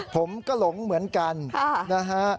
ผมก็หลงเหมือนกันนะฮะ